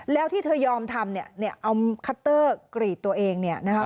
แล้วที่เธอยอมทำเนี่ยเอาคัตเตอร์กรีดตัวเองเนี่ยนะคะ